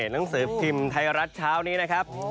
หนังสือพิมพ์ไทยรัฐเช้านี้นะครับ